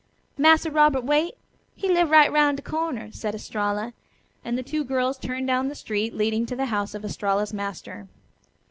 "Massa Robert Waite, he live right 'roun' de corner," said Estralla, and the two girls turned down the street leading to the house of Estralla's master.